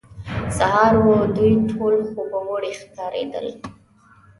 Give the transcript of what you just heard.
سهار وو، دوی ټول خوبوړي ښکارېدل.